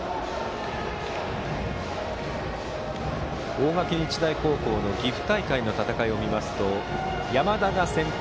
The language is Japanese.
大垣日大高校の岐阜大会の戦いを見ますと山田が先発。